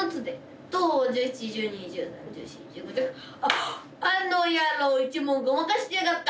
あっあの野郎一文ごまかしてやがった！